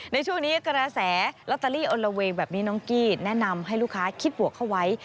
ในช่วงนี้กระแสลอตเตอรี่อนละเวงแบบนี้น้องกี้แนะนำให้ลูกค้าคิดบวกเข้าไว้